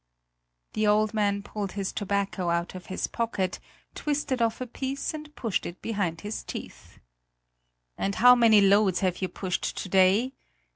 The old man pulled his tobacco out of his pocket, twisted off a piece and pushed it behind his teeth. "And how many loads have you pushed to day?"